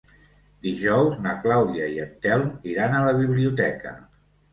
Dijous na Clàudia i en Telm iran a la biblioteca.